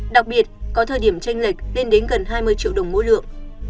đặc biệt có thời điểm tranh lệch lên đến gần hai mươi triệu đồng mỗi lượng